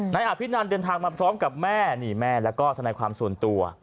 นายอภินันเดินทางมาพร้อมกับแม่นี่แม่แล้วก็ทนายความส่วนตัว